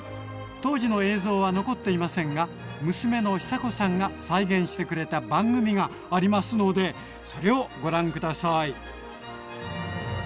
当時の映像は残っていませんが娘の寿子さんが再現してくれた番組がありますのでそれをご覧下さい。